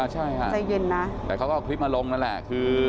อะห์ใช่ค่ะแต่เค้าก็คลิปมาลงดแหละคือ